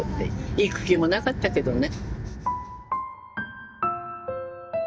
行く気もなかったけどね。